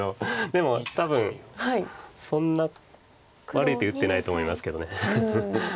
でも多分そんな悪い手打ってないと思いますけど。